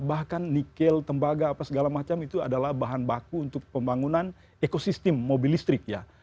bahkan nikel tembaga apa segala macam itu adalah bahan baku untuk pembangunan ekosistem mobil listrik ya